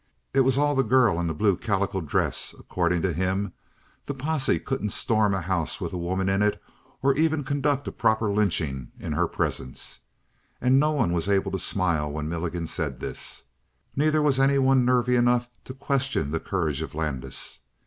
It was all the girl in the blue calico dress, according to him. The posse couldn't storm a house with a woman in it or even conduct a proper lynching in her presence. And no one was able to smile when Milligan said this. Neither was anyone nervy enough to question the courage of Landis.